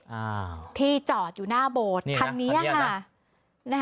อ่าที่จอดอยู่หน้าโบสถ์คันนี้ค่ะคันนี้ค่ะคันนี้ค่ะ